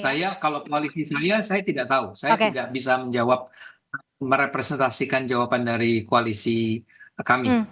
saya kalau koalisi saya saya tidak tahu saya tidak bisa menjawab merepresentasikan jawaban dari koalisi kami